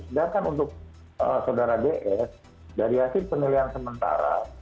sedangkan untuk saudara ds dari hasil penilaian sementara